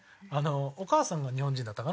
お母さんが日本人だったかな？